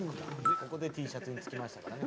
ここでＴシャツに付きましたからね。